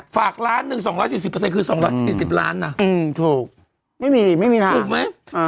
ฝากล้านหนึ่งสองร้อยสี่สิบเปอร์เซ็นต์คือสองร้อยสี่สิบล้านอ่ะอืมถูกไม่มีไม่มีทางถูกไหมอ่า